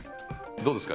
どうですか？